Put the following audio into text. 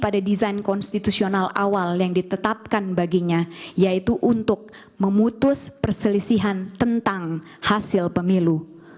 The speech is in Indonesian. dan kembali pada desain konstitusional awal yang ditetapkan baginya yaitu untuk memutus perselisihan tentang hasil pemilu